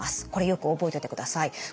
これよく覚えておいてください。